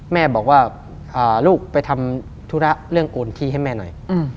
แม่บอกว่าลูกไปทำธุระเรื่องโอนที่ให้แม่หน่อย